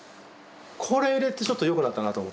これ入れてちょっと良くなったなと思ってます。